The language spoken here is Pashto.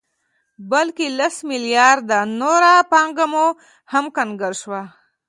بلکې لس مليارده نوره پانګه مو هم کنګل شوه